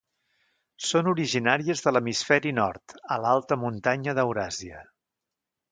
Són originàries de l'hemisferi nord, a l'alta muntanya d'Euràsia.